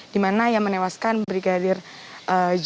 di mana yang menewaskan brigadir j